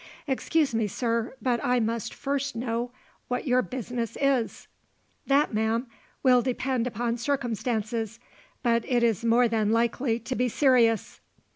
"Excuse me, sir, but I must first know what your business is." "That, ma'am, will depend upon circumstances; but it is more than likely to be serious."